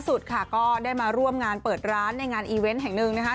สุดค่ะก็ได้มาร่วมงานเปิดร้านในงานอีเวนต์แห่งหนึ่งนะคะ